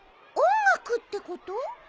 音楽ってこと？